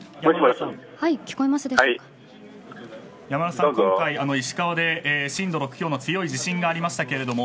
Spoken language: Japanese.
ヤマムラさん石川で震度６強の強い地震がありましたけれども。